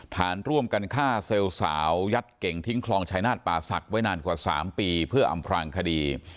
ฐานร่วมกันฆ่าเซลล์สาวยัดเก่งทิ้งคลองชายนาฏป่าศักดิ์ไว้นานกว่า๓ปีเพื่ออำพลางคดี